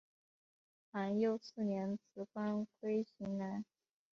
皇佑四年辞官归荆南。